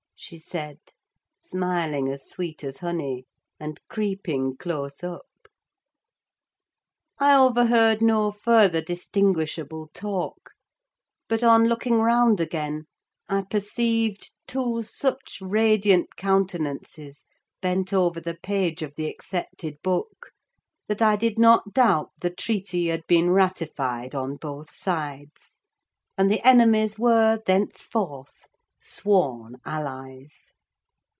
she said, smiling as sweet as honey, and creeping close up. I overheard no further distinguishable talk, but, on looking round again, I perceived two such radiant countenances bent over the page of the accepted book, that I did not doubt the treaty had been ratified on both sides; and the enemies were, thenceforth, sworn allies.